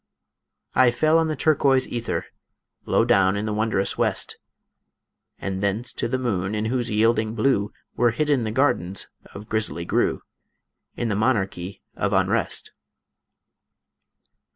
I fell on the turquoise ether, Low down in the wondrous west, And thence to the moon in whose yielding blue Were hidden the gardens of Grizzly Gru, In the Monarchy of Unrest.